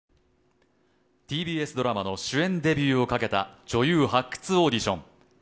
ＴＢＳドラマの主演デビューをかけた女優発掘オーディション。